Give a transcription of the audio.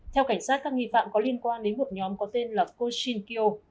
theo cảnh sát các nghi phạm có liên quan đến một nhóm có tên là koshinkyo